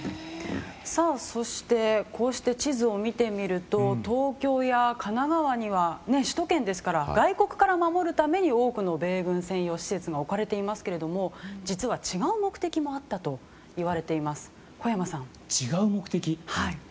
そしてこうして地図を見てみると東京や神奈川には首都圏ですから外国から守るために多くの米軍用施設が置かれていますけど実は違う目的もあったといわれています、小山さん。